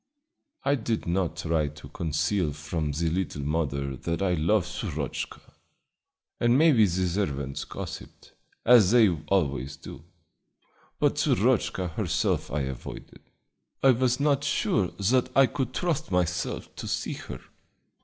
I did not try to conceal from the little mother that I loved Shurochka, and maybe the servants gossiped, as they always do; but Shurochka herself I avoided. I was not sure that I could trust myself to see her.